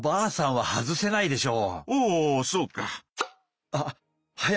おおそうか。